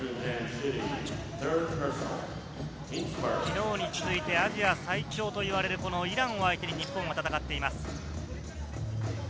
昨日に続いてアジア最強といわれるイランを相手に日本が戦っています。